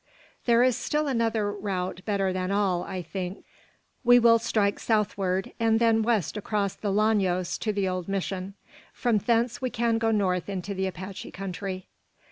"There is still another route better than all, I think. We will strike southward, and then west across the Llanos to the old mission. From thence we can go north into the Apache country."